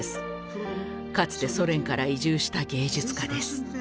かつてソ連から移住した芸術家です。